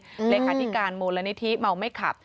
เรือนคาทิการโมละนิธีเมาไม่ขับ